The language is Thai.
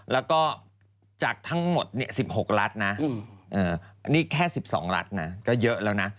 แล้วก็จากทั้งหมด๑๖ลัตรนะนี้แค่๑๒ลัตรนะ